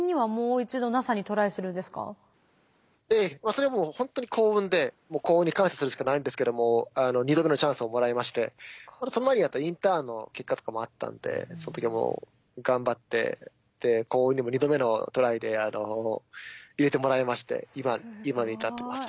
それはもうほんとに幸運で幸運に感謝するしかないんですけども２度目のチャンスをもらいましてその前にやったインターンの結果とかもあったんでその時はもう頑張って幸運にも２度目のトライで入れてもらいまして今に至ってます。